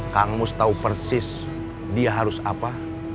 kang mus tahu persis dia harus apa